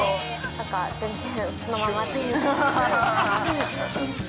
なんか全然、素のままというか。